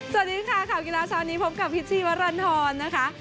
สวัสดีค่ะข่าวกีฬาเช้านี้พบกับพิชชี่วรรณฑรนะคะ